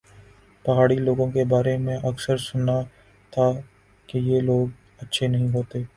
پہاڑی لوگوں کے بارے میں اکثر سنا تھا کہ یہ لوگ اچھے نہیں ہوتے